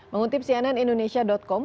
mengutip cnn indonesia com